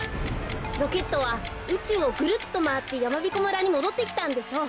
ロケットはうちゅうをぐるっとまわってやまびこ村にもどってきたんでしょう。